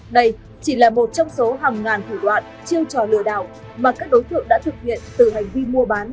đây chỉ là một trong số hàng ngàn thủ đoạn chiêu trò lừa đảo mà các đối tượng đã thực hiện từ hành vi mua bán